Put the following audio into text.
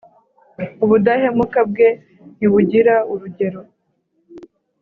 ubudahemuka bwe ntibugira urugero!